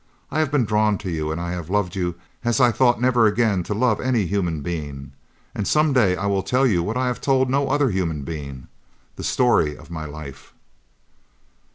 I have been drawn to you and I have loved you as I thought never again to love any human being, and some day I will tell you what I have told no other human being, the story of my life."